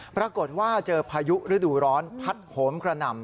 ปรากฏว่าเจอพายุฤดูร้อนพัดโหมกระหน่ำ